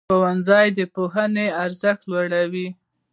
ښوونځی د پوهنې ارزښت لوړوي.